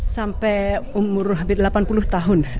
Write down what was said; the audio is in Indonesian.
sampai umur hampir delapan puluh tahun